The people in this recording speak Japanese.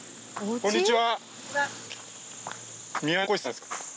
こんにちは。